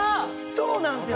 そうなんですよ！